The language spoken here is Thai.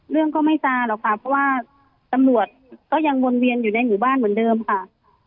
เรื่องก็ไม่ซาหรอกค่ะเพราะว่าตำรวจก็ยังวนเวียนอยู่ในหมู่บ้านเหมือนเดิมค่ะ